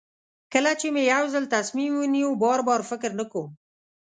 کله چې مې یو ځل تصمیم ونیو بار بار فکر نه کوم.